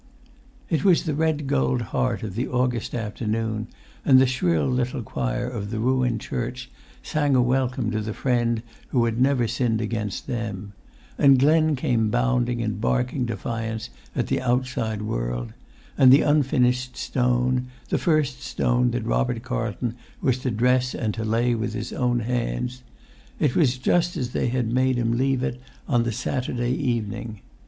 It was the red gold heart of the August afternoon, and the shrill little choir of the ruined church sang a welcome to the friend who had never sinned against them; and Glen came bounding and barking defiance at the outside world; and the unfinished stone, the first stone that Robert Carlton was to dress and to lay with his own hands, it was just as they had made him leave it on the Saturday evening.